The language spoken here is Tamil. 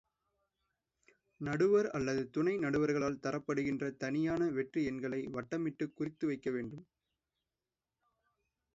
நடுவர் அல்லது துணை நடுவர்களால் தரப்படுகின்ற தனியான வெற்றி எண்களை வட்டமிட்டுக் குறித்து வைக்க வேண்டும்.